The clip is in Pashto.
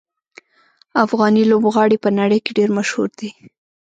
افغاني لوبغاړي په نړۍ کې ډېر مشهور دي.